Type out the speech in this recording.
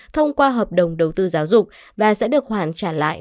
thông qua hợp đồng đầu tư giáo dục và sẽ được hoàn trả lại